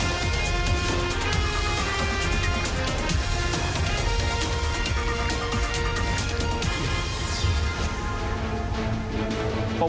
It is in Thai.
มีความรู้สึกว่าใครจะสนับสนุนพันธุ์ในประวัติศาสตร์